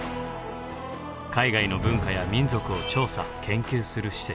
海外の文化や民族を調査・研究する施設。